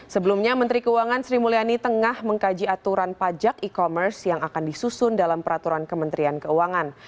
sebelumnya menteri keuangan sri mulyani tengah mengkaji aturan pajak e commerce yang akan disusun dalam peraturan kementerian keuangan